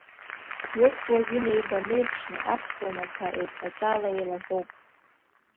Урҭ уажәы инеибанеиԥшны аԥсуа маҭәа еиқәаҵәала еилаҳәоуп.